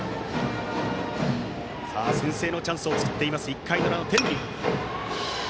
先制のチャンスを作っています、１回の裏の天理。